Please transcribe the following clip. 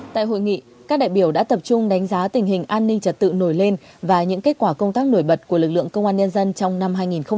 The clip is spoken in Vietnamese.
tại hội nghị các đại biểu đã tập trung đánh giá tình hình an ninh trật tự nổi lên và những kết quả công tác nổi bật của lực lượng công an nhân dân trong năm hai nghìn hai mươi ba